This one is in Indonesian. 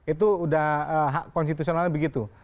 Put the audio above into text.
itu sudah hak konstitusionalnya begitu